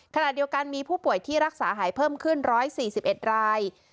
ขณะเดียวกันมีผู้ป่วยที่รักษาหายเพิ่มขึ้น๑๔๑ราย